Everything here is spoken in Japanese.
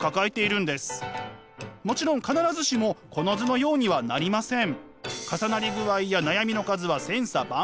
もちろん必ずしもこの図のようにはなりません。